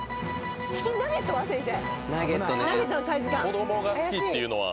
子供が好きっていうのは。